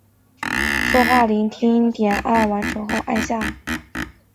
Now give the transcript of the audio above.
细籽柳叶菜为柳叶菜科柳叶菜属下的一个种。